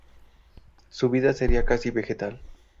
Su vida sería casi vegetal.